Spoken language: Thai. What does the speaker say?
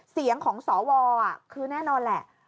เสียงของสวคือแน่นอนแหละ